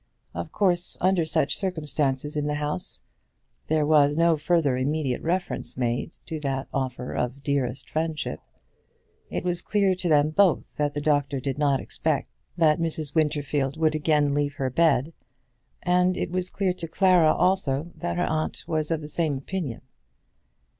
Of course, under such circumstances in the house, there was no further immediate reference made to that offer of dearest friendship. It was clear to them both that the doctor did not expect that Mrs. Winterfield would again leave her bed; and it was clear to Clara also that her aunt was of the same opinion.